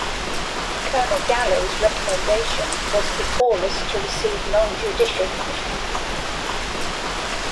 Colonel Gallo's recommendation was for Paulus to receive non-judicial punishment.